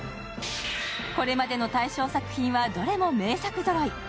これまでの大賞作品はどれも名作ぞろい。